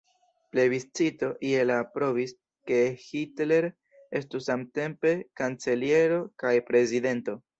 Plebiscito je la aprobis, ke Hitler estu samtempe kanceliero kaj prezidento.